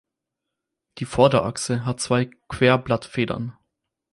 Die Vorderachse hat zwei Querblattfedern.